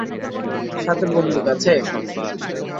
সাথে বন্দুক আছে?